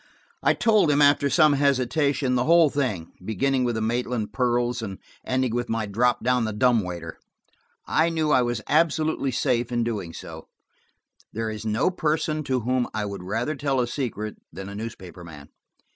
I told him, after some hesitation, the whole thing, beginning with the Maitland pearls and ending with my drop down the dumb waiter. I knew I was absolutely safe in doing so: there is no person to whom I would rather tell a secret than a newspaper man.